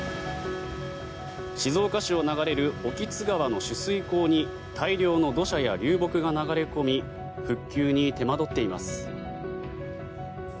静岡市を流れる興津川の取水口に大量の土砂や流木が流れ込み復旧に手間取っています。